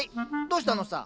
どうしたのさ？